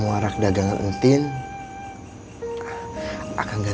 apakah kamu tiga yang sedang mengingat